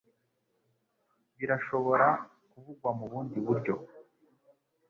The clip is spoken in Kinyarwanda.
Birashobora kuvugwa mubundi buryo?